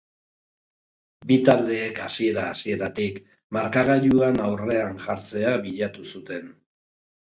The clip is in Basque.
Bi taldeek hasiera-hasieratik markagailuan aurrean jartzea bilatu zuten.